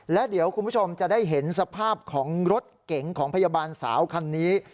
และเดี๋ยวคุณผู้ชมจะได้เห็นสภาพของรถเก๋งของพยาบาลสาวคันนี้